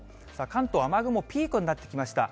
関東、雨雲ピークになってきました。